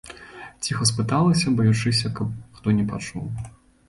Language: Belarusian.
Ціха спыталася, баючыся, каб хто не пачуў.